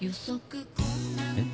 えっ？